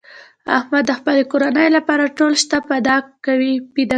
احمد د خپلې کورنۍ لپاره ټول شته فدا کوي.